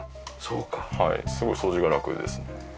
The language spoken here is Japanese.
すごい掃除が楽ですね。